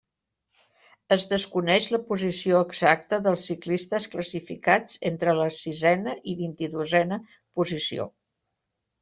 Es desconeix la posició exacta dels ciclistes classificats entre la siena i vint-i-dosena posició.